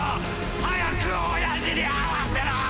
早くオヤジに会わせろ！